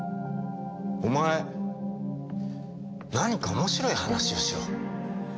お前何か面白い話をしろ。